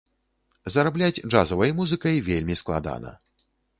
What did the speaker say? Зарабляць джазавай музыкай вельмі складана.